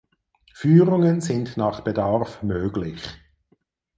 Führungen sind nach Bedarf möglich.